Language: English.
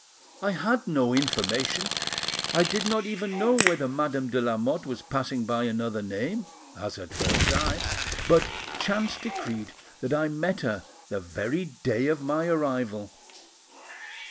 I had no information, I did not even know whether Madame de Lamotte was passing by another name, as at Versailles, but chance decreed that I met her the very day of my arrival.